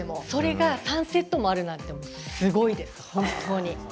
それが３セットもあるなんてすごいです本当に。